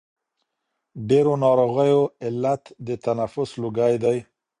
ډېرو ناروغیو علت د تنفس لوګی دی.